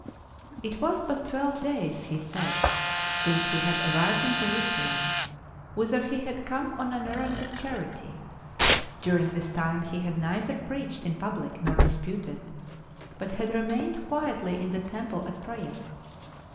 It was but twelve days, he said, since he had arrived in Jerusalem, whither he had come on anerrand of charity. During this time he had neither preached in public nor disputed, but had remained quietly in the Temple at prayer.